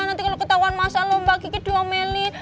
nanti kalau ketahuan masalah mbak kiki doang melih